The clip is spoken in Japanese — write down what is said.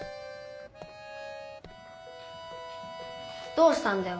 どうしたんだよ？